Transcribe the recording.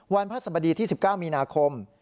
วันพระสมดีที่๑๙มินาคม